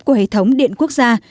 của hệ thống điện quốc gia